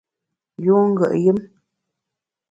Yun ngùet yùm !